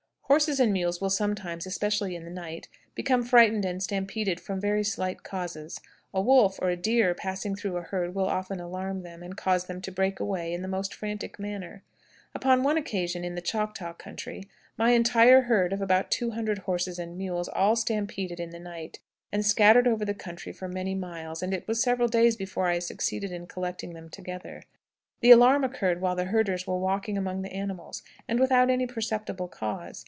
Horses and mules will sometimes, especially in the night, become frightened and stampeded from very slight causes. A wolf or a deer passing through a herd will often alarm them, and cause them to break away in the most frantic manner. Upon one occasion in the Choctaw country, my entire herd of about two hundred horses and mules all stampeded in the night, and scattered over the country for many miles, and it was several days before I succeeded in collecting them together. The alarm occurred while the herders were walking among the animals, and without any perceptible cause.